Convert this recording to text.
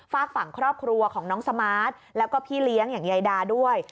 ฝากฝั่งครอบครัวของน้องสมาร์ทแล้วก็พี่เลี้ยงอย่างยายดาด้วย